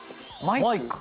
マイク？